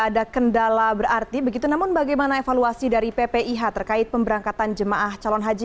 ada kendala berarti begitu namun bagaimana evaluasi dari ppih terkait pemberangkatan jemaah calon haji